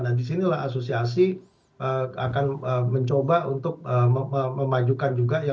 nah disinilah asosiasi akan mencoba untuk memajukan juga